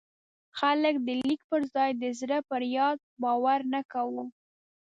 خلک د لیک پر ځای د زړه پر یاد باور نه کاوه.